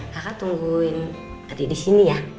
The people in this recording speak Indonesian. kakak tungguin hati di sini ya